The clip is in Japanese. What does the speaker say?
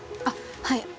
あっはい。